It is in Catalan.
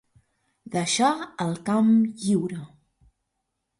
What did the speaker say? Deixar el camp lliure.